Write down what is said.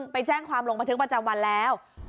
ไปแจ้งความลงบันทึกประจำวันแล้ว